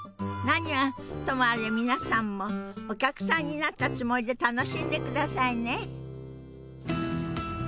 何はともあれ皆さんもお客さんになったつもりで楽しんでくださいね。